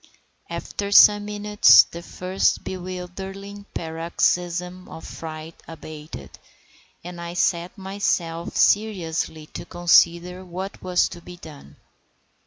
After some minutes the first bewildering paroxysm of fright abated, and I set myself seriously to consider what was to be done.